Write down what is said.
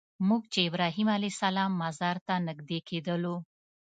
موږ چې ابراهیم علیه السلام مزار ته نږدې کېدلو.